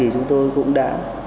chúng tôi cũng đã